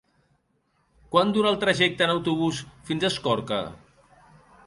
Quant dura el trajecte en autobús fins a Escorca?